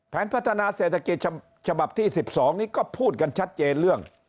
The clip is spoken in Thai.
พัฒนาเศรษฐกิจฉบับที่๑๒นี้ก็พูดกันชัดเจนเรื่อง